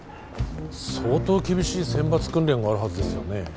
相当厳しい選抜訓練があるはずですよね